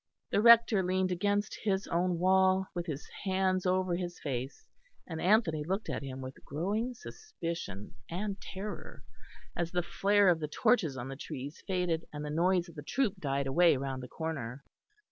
The Rector leaned against his own wall, with his hands over his face; and Anthony looked at him with growing suspicion and terror as the flare of the torches on the trees faded, and the noise of the troop died away round the corner.